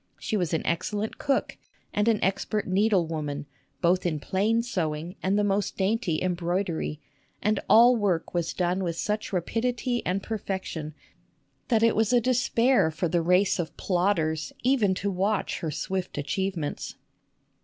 She was an excellent cook and an expert needlewoman, x SUSAN COOLIDGE both in plain sewing and the most dainty embroidery, and all work was done with such rapidity and perfection that it was a despair for the race of plodders even to watch her swift achievements.